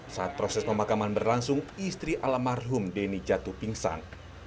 saat proses pemakaman berlangsung istri alam marhum deni jatuh pingsan